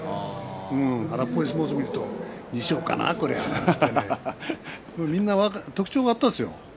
荒っぽい相撲を見ると二所ノ関かなとみんな特徴があったんですよ。